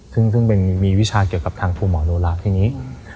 ซึ่งมีวิชาเกี่ยวกับทางครูหมอโนราที่นี้